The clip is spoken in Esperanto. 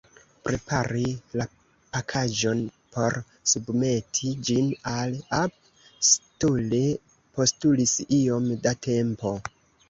Prepari la pakaĵon por submeti ĝin al App Store postulis iom da tempo.